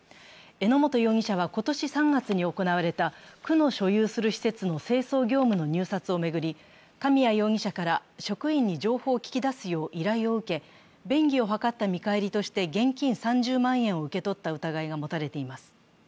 榎本容疑者は今年３月に行われた区の所有する施設の清掃業務の入札を巡り神谷容疑者から職員に情報を聞き出すよう依頼を受け、便宜を図った見返りとして現金３０万円を受け取った疑いが持たれています。